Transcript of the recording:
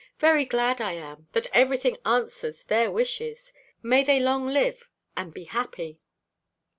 Very glad I am, that every thing answers their wishes. May they long live, and be happy!"